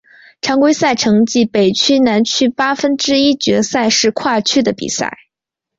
常规赛成绩北区南区八分之一决赛是跨区的比赛。